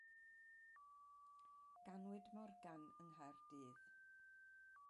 Ganwyd Morgan yng Nghaerdydd.